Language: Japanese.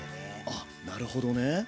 あっなるほどね。